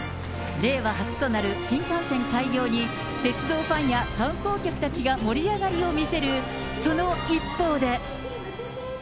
令和初となる新幹線開業に、鉄道ファンや観光客たちが盛り上がりを見せるその一方で。